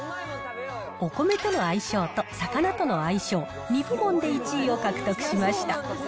お米との相性と魚との相性、２部門で１位を獲得しました。